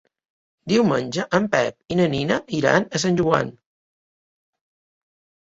Diumenge en Pep i na Nina iran a Sant Joan.